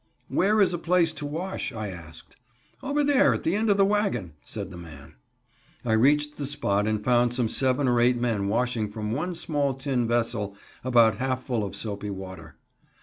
"Where is a place to wash?" I asked. "Over there at the end of the wagon," said the man. I reached the spot and found some seven or eight men washing from one small tin vessel about half full of soapy water.